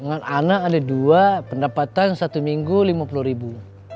dengan anak ada dua pendapatan satu minggu lima puluh ribu